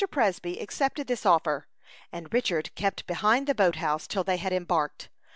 Presby accepted this offer, and Richard kept behind the boat house till they had embarked.